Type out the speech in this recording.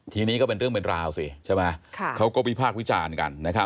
ทีนี้ก็เป็นเรื่องเป็นราวสิใช่ไหมค่ะเขาก็มีภาควิจารณ์กันนะครับ